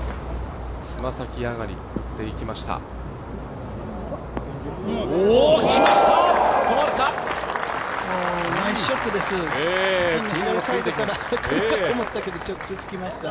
爪先上がりでいきました。